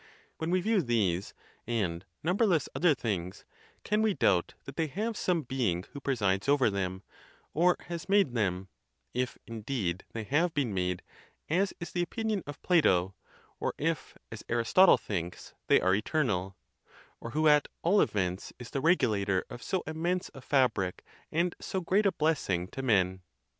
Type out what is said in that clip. When we view these and numberless other things, can we doubt that they have some being who presides over them, or has made them (if, indeed, they have been made, as is the opinion of Plato, or if, as Aris totle thinks, they are eternal), or who at all events is the regulator of so immense a fabric and so great a blessing to men?